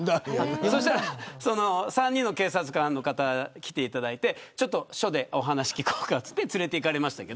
そうしたら３人の警察官の方に来ていただいて、ちょっと署でお話聞こうかと言って連れていかれました。